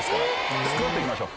スクワットいきましょう。